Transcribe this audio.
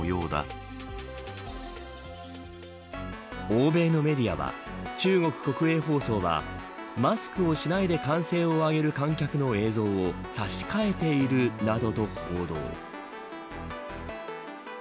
欧米のメディアは中国国営放送はマスクをしないで歓声を上げる観客の映像を差し替えているなどと報道。